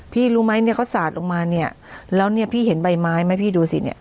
รู้ไหมเนี่ยเขาสาดลงมาเนี่ยแล้วเนี่ยพี่เห็นใบไม้ไหมพี่ดูสิเนี่ย